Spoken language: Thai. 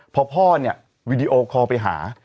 พอพ่อเนี่ยวีดีโอคอลไปหา